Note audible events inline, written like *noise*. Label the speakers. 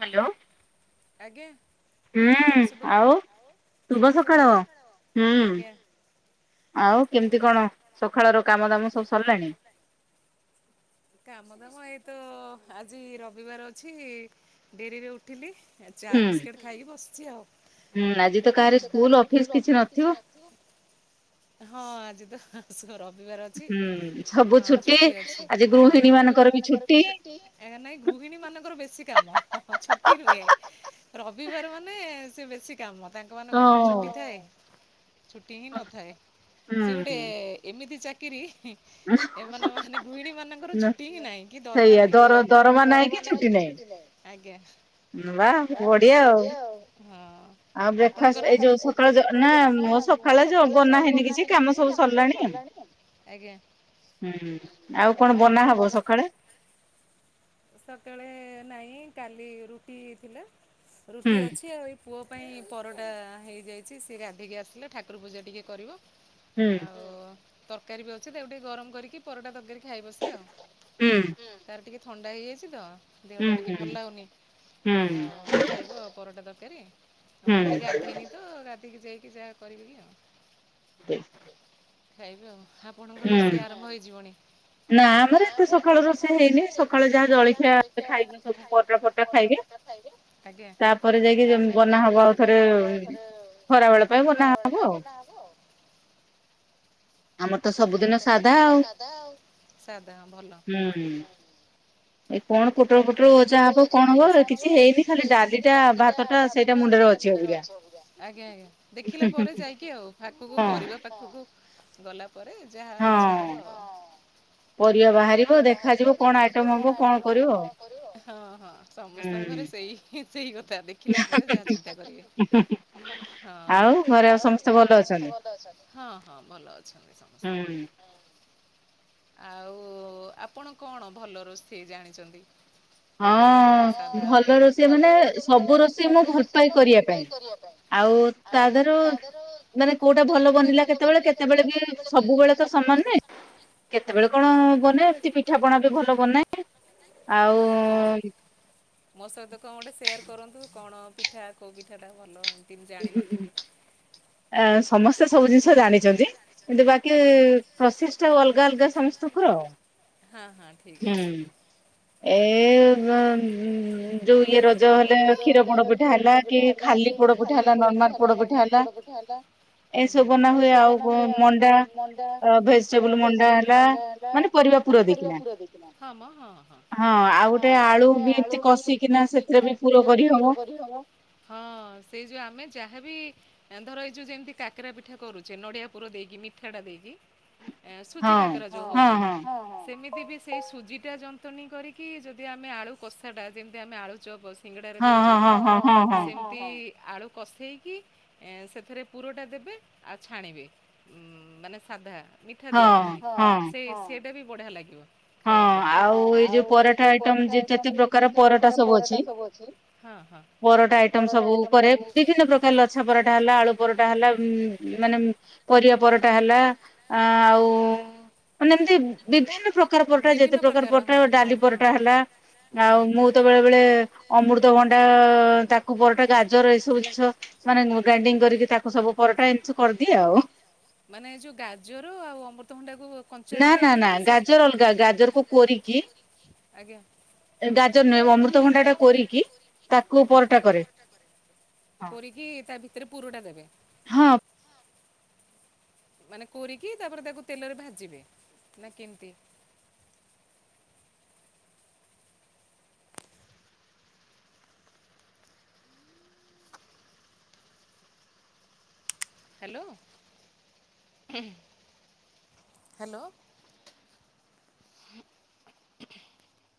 Speaker 1: Hello.
Speaker 2: ଆଜ୍ଞା।
Speaker 1: ହୁଁ ଆଉ ଶୁଭ ସକାଳ ହୁଁ। ଆଉ କେମିତି କଣ ସକାଳର କାମ ଦାମ ସବୁ ସରିଲାଣି?
Speaker 2: କାମ କାମ ଏଇତ ଆଜି ରବିବାର ଅଛି ଡେରିରେ ଉଠିଲି। ଚା ବିସ୍କିଟ୍ ଖାଇକି ବସିଛି ଆଉ।
Speaker 1: ହୁଁ ଆଜି ତ କାହାରି ସ୍କୁଲ ଅଫିସ କିଛି ନଥିବ।
Speaker 2: ହଁ ଆଜି ତ ହା ହା
Speaker 1: ହୁଁ ସବୁ ଛୁଟି ଆଜ
Speaker 2: ଆଜ୍ଞା। ନାଇଁ ଗୃହିଣୀ ମାନଙ୍କର ବେଶି କାମ ଛୁଟି ନୁହେଁ। ରବିବାର ମାନେ ସେ ବେଶି କାମ ତାଙ୍କ ମାନଙ୍କର କଣ ଛୁଟି ଥାଏ। ଛୁଟି ହିଁ ନଥାଏ ସେ ଗୋଟେ ଏମିତି ଚାକିରି ଏମାନେ ମାନେ ଗୃହିଣୀ ମାନେ ଛୁଟି ହଁ ନାହିଁ କି ଦରମା ନାହିଁଁ ଆଜ୍ଞା। ହେଲା ବଢିଆ ଆଉ।
Speaker 1: ଆଉ ବ୍ରେକ୍ ଫାଷ୍ଟ ଏଇ ଯୋଉ ସକାଳ ନା ମୋ ସକାଳେ ଯୋଉ ବନା ହେଇନି କିଛି କାମ ସବୁ ସରିଲାଣି ଆଉ।
Speaker 2: ଆଜ୍ଞା।
Speaker 1: ହୁଁ ଆଉ
Speaker 2: ଆଉ କଣ ବନା ସେତେବେଳେ ନାଇଁ କାଲି ରୁଟି ଥିଲା ରୁଟି ଅଛି ଆଉ ପୁଅ ପାଇଁ ପରଟା ହେଇଯାଇଛି ସିଏ ଗାଧେଇକି ଆସିଲେ ଠାକୁର ପୂଜା ଟିକେ କରିବ।
Speaker 1: ହୁଁ।
Speaker 2: ତରକାରୀ ବି ଅଛି ତାକୁ ଟିକେ ଗରମ କରିକି ପରଟା ତରକାରୀ ଖାଇବ ସେ ଆଉ ତାର ଟିକେ ଥଣ୍ଡା ହେଇଯାଇଛି ତ ଦେହଟା ଟିକିଏ ଭଲ ଲାଗୁନି ଆଉ ଖାଇବୁ ଆଉ ପରଟା ତରକାରି। ଆଉ ମୁଁ ବି ଗାଧେଇନି ତୁ ଗାଧେଇକି ଯାଇକି ଯାହା କରିବି କି ଖାଇବି ଆଉ ଆପଣଙ୍କର ରୋଷେଇ ଆରମ୍ଭ ହେଇଯିବନି।
Speaker 1: ନା ଆମର ଏତେ ସକାଳ ରୋଷେଇ ହେଇନି ସକାଳେ ଯାହା ଜଳଖିଆ ଖାଇବେ ସବୁ ପରଟା ଫଟା ଖାଇବେ ତାପରେ ଯାଇକି ଯେମିତି ବନା ହବ ଆଉ ଥରେ ଖରା ବେଳ ପାଇଁ ବନା ହବ।
Speaker 2: ବନା ହବ ଆଉ
Speaker 1: ଆମର ତ ସବୁଦିନ ସାଧା ଆଉ
Speaker 2: ସାଧା ଭଲ ହୁଁ।
Speaker 1: ଁ ଏଇ କଣ ପୋଟର ପୋଟର ଓଜା ହବ କଣ ହବ କିଛି ହେଇନି ଖାଲି ଡାଲି ଟା ଭାତ ଟା ସେଇଟା ମୁଣ୍ଡରେ ଅଛି।
Speaker 2: *unintelligible* ଆଜ୍ଞା ଆଜ୍ଞା ଦେଖିଲା ପରେ ଯାଇକି ଆଉ ପାଖକୁ ପରିବା ପାଖକୁ ଗଲା ପରେ ଯାହା ଇଚ୍ଛା ହବ ଆଉ ପରିବା ବାହାରିବ ଦେଖାଯିବ କଣ ଆଟବ କଣ କରିବ ହଁ ହଁ ସମସ୍ତଙ୍କ ଘରେ ସେଇ ହିଁ ତା ଦେଖିଲା ପରେ ଯାହା ଚିନ୍ତା କରିବେ। ହଁ ଆଉ ଘରେ ସମସ୍ତେ ଭଲ ଅଛନ୍ତି। ହଁ ହଁ ଭଲ ଅଛନ୍ତି ସମସ୍ତେ
Speaker 1: ହ
Speaker 2: ଆଉ ଆପଣ କଣ ଭଲ ରୋଷେଇ ଜାଣିଚନ୍ତି? ଭଲ ରୋଷେଇ ମାନେ ସବୁ ରୋଷେଇ ନା ଭଲ ପାଇ କରିବା ପାଇଁ
Speaker 1: ଆଉ ସାଧା ଦେହରୁ ମାନେ କୋଉଟା ଭଲ ବନିଲା କେତେବେଳେ କେତେବେଳେ ବି ସବୁବେଳେ ତ ସମ କେତେବେଳେ କଣ ବନା ଏମତି ପିଠା ପଣା ବି ଭଲ ବନାଏ ଆଉ
Speaker 2: ଆଉ କଣ ମୋ ସହିତ କଣ ଗୋଟେ ସେୟାର କରନ୍ତୁ କଣ ପିଠା କୋଉ ପିଠା ଟା ଭଲ ଏମତି ଜାଣିନଥିବି
Speaker 1: ଆ ସମସ୍ତେ ସବୁ ଜିନିଷ ଜାଣିଚନ୍ତି କିନ୍ତୁ ବାକି ପ୍ରୋସେସ ଟା ଅଲଗା ଅଲଗା ସମ ସ୍ତଙ୍କର ଆଉ।
Speaker 2: ହଁ ହଁ ଠିକ ଅଛି।
Speaker 1: ଏ ବ ଉଁ ଉଁ। ଯୋଉ ଇଏ ରଜ ହେଲେ କ୍ଷୀର ପୋଡ ପିଠା ହେଲା କି ଖାଲି ପୋଡ ପିଠା ହେଲା ନର୍ମାଲ ପୋଡ ପିଠା ହେଲା
Speaker 2: ହେଲା।
Speaker 1: ଏଇ ସବୁ ବନା ହୁଏ। ଆଉ କଣ ମଣ୍ଡା ଭେଜିଟେବୁଲ ମଣ୍ଡା ହେଲା ମାନେ ପରିବା ପୁର ଦେଇକିନା
Speaker 2: ହଁ ମ ହଁ ହଁ ହଁ ଆଉ ଗୋଟେ ଆଳୁକୁ ଏମିତି କଷିକି କିନା ସେଥିରେ ପୁର କରିବ। ହଁ ସେଇ ଯୋଉ ଆମେ ଯାହାବି ଧର ଏଇ ଯୋଉ ଯେମିତି କାକେରା ପିଠା କରୁଛେ ନଡିଆ ପୁର ଦେଇକି ମିଠା ଟା ଦେଇକି ସୁଜି କାକରା ଯୋଉ ହୋଉଚି ସେମିତି ବି ସେଇ ସୁଜି ଟା ଯନ୍ତଣୀ କରିକି ଯଦି ଆମେ ଆଳୁ କଷା ଟା ଯେମିତି ଆମେ ଆଳୁ ଚପସ ସିଙ୍ଗଡରେ ଦୋଉଚେ ସେମତି ଆଳୁ କଷେଇକି ସେଥିରେ ପୁରଟା ଦେବେ ଆଉ ଛାଣିବେ ମାନେ ସାଧା ମିଠା ଦିଆହବନି ସେ ସେଟା ବି ବଢିଆ ଲାଗିବ। ଖାଇବା ପାଇଁ। ହଁ ଆଉ ଏ ଯୋଉ ପରଠା ଆଇଟ ଯଉ କେତେ ପ୍ରକାର
Speaker 1: ପୁ ଅଛି ପରତ ଆଇଟମ ସବୁ ଉପରେ ବିଭିନ୍ ପ୍ରକାର ଲଚ୍ଛା ପରଟା ହେଲା ଆଳୁ ପ ପରଟା ହେଲା ଉଁ ମାନେ ପରିବା ପରଟା ହେଲା ଆ ଆଉ ମାନେ ଏମିତି ବିଭିନ୍ନ ପ୍ର ପରା ଯେତେ ପ୍ରକାର ପରା ଡାଲି ପରଟା ହେଲା ଆଉ ମୁଁ ତ ବେଳେ ବେଳେ ଅମୃତ ଭା ଡ଼ା ତାକୁ ପରଟା ଗାଜର ଏଇ ସବୁ ଜିନିଷ ମାନେ ଗ୍ରାଇଣ୍ଡିଙ୍ଗ କରିକି ତାକୁ ସବୁ ପରଟା ଏମିତି କରିଦିଏ ଆଉ।
Speaker 2: ମାନେ ଯୋଉ ଗାଜର ଆଉ ଅମୃତଭଣ୍ଡା
Speaker 1: ନା ନା ନା ଗାଜର ଅଲଗା ଗାଜରକୁ କୋରିକି
Speaker 2: ଆଜ୍ଞା।
Speaker 1: ଗାଜର ନୁହେଁ ଅମୃତଭଣ୍ଟା ଟା କୁ କୋରିକି
Speaker 2: ଆଜ୍ଞ *inaudible* କୋରିକି ତା ଭିତରେ ପୁରଟା ଦେବେ
Speaker 1: ହଁ।
Speaker 2: ମାନେ କୋରିକି ତାପରେ ତାକୁ ତେଲରେ ଭାଜିବେ ନା କେମିତି? Hello hello.
Speaker 1: ଆ